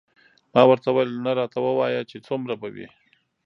ما ورته وویل نه راته ووایه چې څومره به وي.